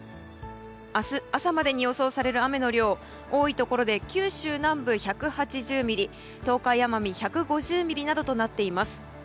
明日朝までに予想される雨の量多いところで九州南部、１８０ミリ東海、奄美１５０ミリなどとなっています。